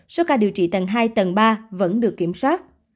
số ca điều trị tầng hai tầng ba vẫn được kiểm soát